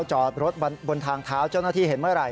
จอดรถบนทางเท้าเจ้าหน้าที่เห็นเมื่อไห